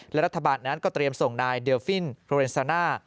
และรัฐบาลนั้นก็เตรียมส่งนายเดลฟินโรเรนซาน่า